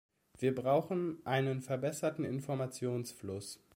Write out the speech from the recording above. Wir brauchen einen verbesserten Informationsfluss.